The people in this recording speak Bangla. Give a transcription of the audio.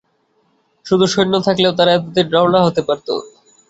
শুধু সৈন্য থাকলেও তারা এতদিন রওনা হতে পারত।